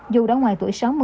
dù đã ngoài tuổi sáu mươi